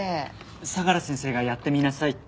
相良先生がやってみなさいって。